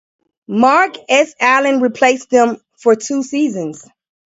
Mark S. Allen replaced them for two seasons.